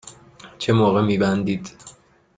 چه موقع می بندید؟